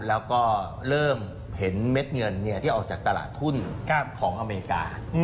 แล้วก็เริ่มเห็นเม็ดเงินที่ออกจากตลาดทุนของอเมริกา